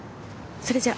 それじゃ。